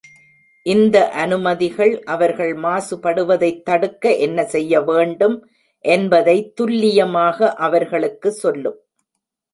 இந்த அனுமதிகள் அவர்கள் மாசுபடுவதைத் தடுக்க என்ன செய்ய வேண்டும் என்பதை துல்லியமாக அவர்களுக்கு சொல்லும்.